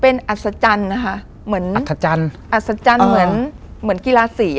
เป็นอัศจรรย์นะคะเหมือนอัธจันทร์อัศจรรย์เหมือนเหมือนกีฬาสี